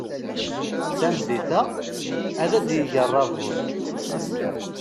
Tameddit-a, ad d-yeg aṛabul.